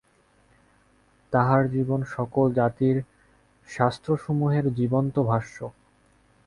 তাঁহার জীবন সকল জাতির শাস্ত্রসমূহের জীবন্ত ভাষ্য।